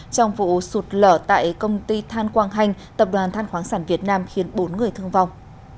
trong vụ sụt lở tại công ty than quang hành tập đoàn than khoáng sản việt nam khiến bốn người thương vong